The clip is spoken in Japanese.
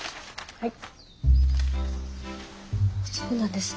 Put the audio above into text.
はい。